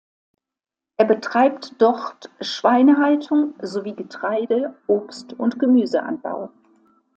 Er betreibt dort Schweinehaltung sowie Getreide-, Obst- und Gemüseanbau.